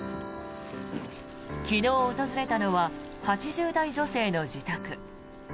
昨日、訪れたのは８０代女性の自宅。